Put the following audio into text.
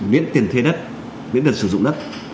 miễn tiền thuê đất miễn đợt sử dụng đất